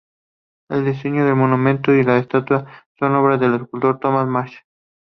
El diseño del monumento y la estatua son obras del escultor Thomas Marsh.